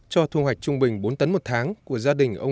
cho thu hoạch trung bình bốn tấn một tháng